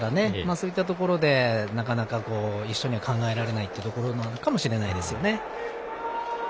そういったところでなかなか一緒には考えられないというところなのかもしれないですよね。